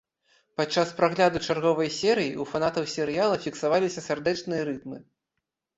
Падчас прагляду чарговай серыі ў фанатаў серыяла фіксаваліся сардэчныя рытмы.